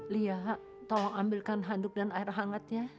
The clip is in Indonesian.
lia tolong ambilkan handuk dan air hangatnya